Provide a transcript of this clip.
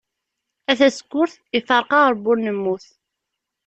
A tasekkurt, ifreq-aɣ Rebbi ur nemmut.